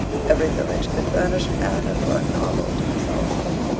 ... Every village could furnish matter for a novel to Miss Austen.